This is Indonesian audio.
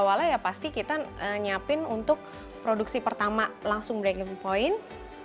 awalnya ya pasti kita nyiapin untuk produksi pertama langsung breaking point